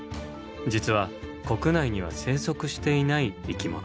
実は国内には生息していない生き物。